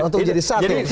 untuk jadi satu